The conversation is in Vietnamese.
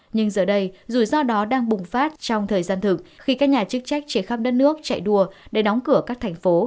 nhưng giờ đây rủi ro đó đang bùng phát trong thời gian thực khi các nhà chức trách trên khắp đất nước chạy đua để đóng cửa các thành phố